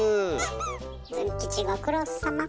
ズン吉ご苦労さま。